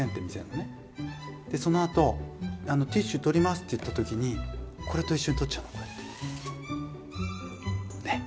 そのあと「ティッシュ取ります」って言った時にこれと一緒に取っちゃうの。ね。